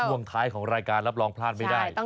ช่วงท้ายของรายการรับรองพลาดไม่ได้